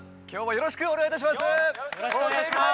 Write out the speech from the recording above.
よろしくお願いします！